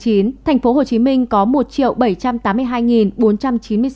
thành phố hồ chí minh đã tiêm